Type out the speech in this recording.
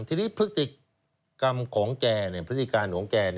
ทีนี้พฤติกรรมของแกพฤติการของแก